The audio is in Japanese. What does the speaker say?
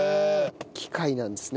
機械なんですね。